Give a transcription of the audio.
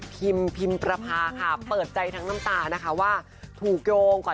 พิมพี่มประภานะคะเปิดใจทั้งน้ำตานะคะว่าถูกโยงกว่า